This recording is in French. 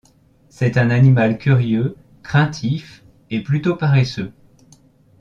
C'est un animal curieux, craintif et plutôt paresseux.